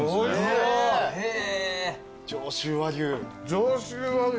上州和牛。